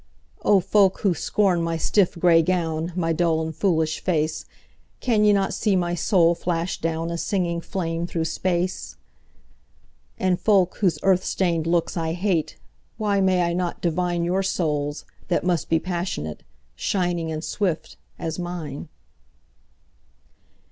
O folk who scorn my stiff gray gown, My dull and foolish face, Can ye not see my soul flash down,A singing flame through space? And folk, whose earth stained looks I hate, Why may I not divineYour souls, that must be passionate, Shining and swift, as mine?